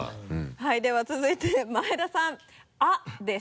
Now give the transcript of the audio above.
はいでは続いて前田さん「あ」です。